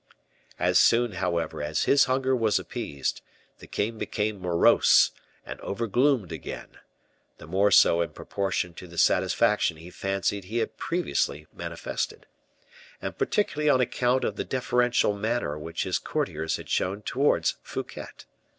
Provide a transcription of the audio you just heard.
As soon, however, as his hunger was appeased, the king became morose and overgloomed again; the more so in proportion to the satisfaction he fancied he had previously manifested, and particularly on account of the deferential manner which his courtiers had shown towards Fouquet.